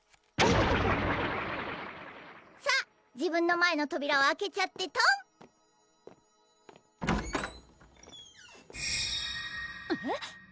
さぁ自分の前の扉を開けちゃってトンえっ？